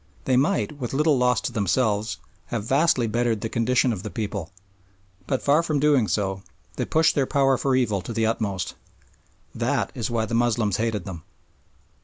They might, with little loss to themselves, have vastly bettered the condition of the people, but far from doing so they pushed their power for evil to the utmost. That is why the Moslems hated them.